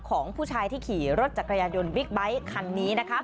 ของผู้ชายที่ขี่รถจักรยานยนต์บิ๊กไบท์คันนี้นะคะ